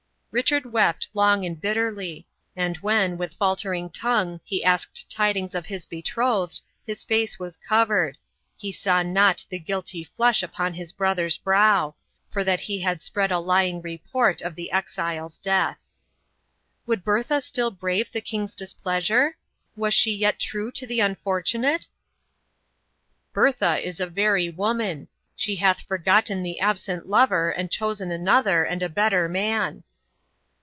Richard wept long and bitterly, and when, with faltering tongue, he asked tidings of his betrothed, his face was covered; he saw not the guilty flush upon his brother's brow, for that he had spread a lying report of the exile's death. "Would Bertha still brave the king's displeasure? Was she yet true to the unfortunate?" "Bertha is a very woman. She hath forgotten the absent lover, and chosen another, and a better man."